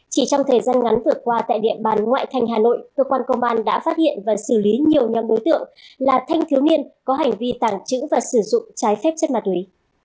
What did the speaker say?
chỉ trong thời gian ngắn vừa qua tại địa bàn ngoại thành hà nội cơ quan công an đã phát hiện và xử lý nhiều nhóm đối tượng là thanh thiếu niên có hành vi tàng trữ và sử dụng trái phép chất ma túy